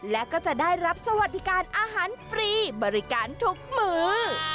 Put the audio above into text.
และก็จะได้รับสวัสดิการอาหารฟรีบริการทุกมื้อ